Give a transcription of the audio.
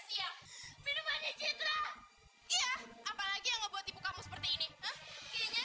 citra lebih baik kita keluar dulu